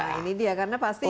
nah ini dia karena pasti